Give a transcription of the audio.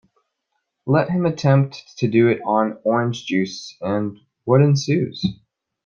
Let him attempt to do it on orange juice, and what ensues?